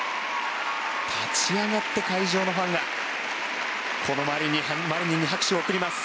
立ち上がって会場のファンがこのマリニンに拍手を送ります。